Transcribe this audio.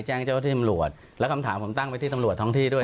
แจ้งเจ้าที่ตำรวจแล้วคำถามผมตั้งไปที่ตำรวจท้องที่ด้วย